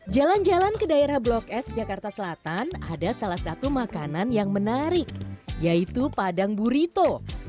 jalan jalan ke daerah blok s jakarta selatan ada salah satu makanan yang menarik yaitu padang burito